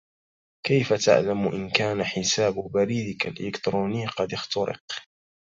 كيف تعلم إن كان حساب بريدك الإلكتروني قد اختُرق؟